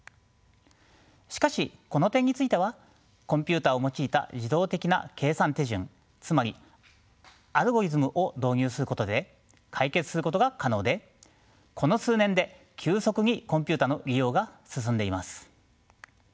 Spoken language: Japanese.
しかしこの点についてはコンピューターを用いた自動的な計算手順つまりアルゴリズムを導入することで解決することが可能でこの数年で急速にコンピューターの利用が進んでいます。